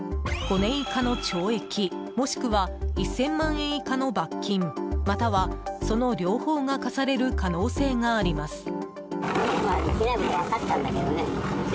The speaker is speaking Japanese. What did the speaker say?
５年以下の懲役もしくは１０００万円以下の罰金または、その両方が科される可能性があります。